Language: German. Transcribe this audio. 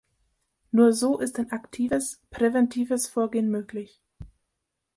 Nur so ist ein aktives, präventives Vorgehen möglich.